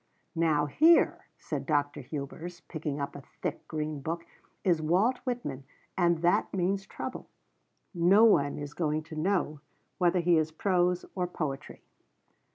"Now here," said Dr. Hubers, picking up a thick, green book, "is Walt Whitman and that means trouble. No one is going to know whether he is prose or poetry."